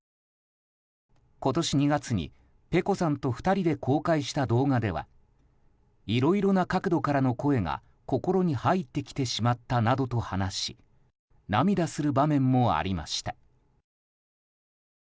今年２月にｐｅｃｏさんと２人で公開した動画ではいろいろな角度からの声が心に入ってきてしまったなどと話し涙する場面もありました。